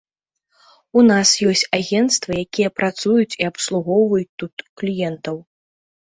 У нас ёсць агенцтвы, якія працуюць і абслугоўваюць тут кліентаў.